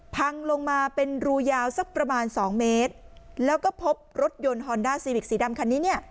พังลงมาเป็นรูยาวสักประมาณสองเมตรแล้วก็พบรถยนต์ฮอนด้าซีวิกสีดำคันนี้เนี่ย